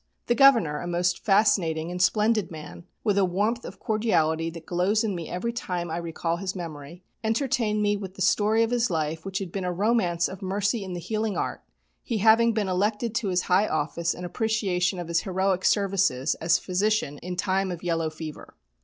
The Governor, a most fascinating and splendid man, with a warmth of cordiality that glows in me every time I recall his memory, entertained me with the story of his life which had been a romance of mercy in the healing art, he having been elected to his high office in appreciation of his heroic services as physician in time of yellow fever.